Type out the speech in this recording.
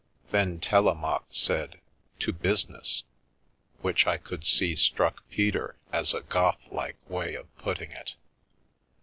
Then Telemaque said, "To busi ness/' which I could see struck Peter as a Goth like way of putting it.